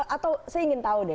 atau saya ingin tahu deh